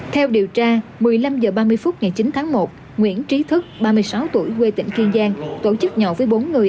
theo điều tra một mươi năm h ba mươi phút ngày chín tháng một nguyễn trí thức ba mươi sáu tuổi quê tỉnh kiên giang tổ chức nhậu với bốn người